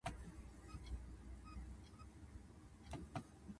鹿児島県志布志市志布志町志布志へ行きました。